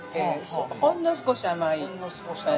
ほんの少し甘い。